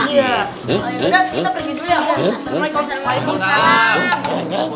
yaudah kita pergi dulu ya